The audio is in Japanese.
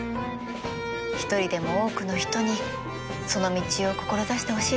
一人でも多くの人にその道を志してほしいですね。